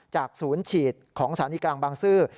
จากศูนย์ฉีดของศาลีกลางบางซื่อ